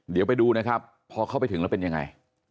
เดี๋ยวไปดูนะครับพอเข้าไปถึงแล้วเป็นยังไง